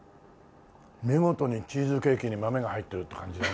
見事にチーズケーキに豆が入ってるって感じだね。